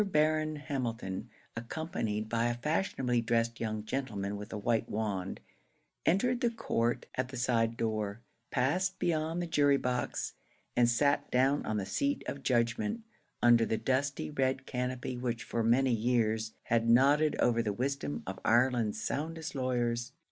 Baron Hamilton, accompanied by a fashionably dressed young gentleman with a white wand, entered the court at a side door, passed behind the jury box, and sat down on the seat of judgment, under the dusty red canopy which for many years had nodded over the wisdom of Ireland's soundest lawyers.